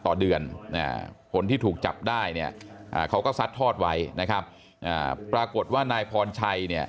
ต่อเดือนคนที่ถูกจับได้เนี่ยเขาก็ซัดทอดไว้นะครับปรากฏว่านายพรชัยเนี่ย